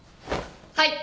はい。